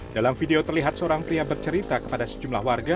dalam video terlihat seorang pria bercerita kepada sejumlah warga